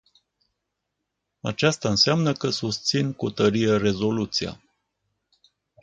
Aceasta înseamnă că susțin cu tărie rezoluția.